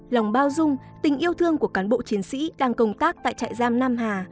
lòng bao dung tình yêu thương của cán bộ chiến sĩ đang công tác tại trại giam nam hà